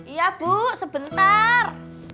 iya bu sebentar